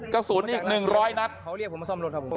กระสุนอีกหนึ่งร้อยนัดเขาเรียกผมมาซ่อมรถครับผม